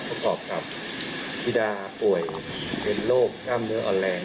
ประกอบกับธิดาป่วยเป็นโรคกล้ามเนื้ออ่อนแรง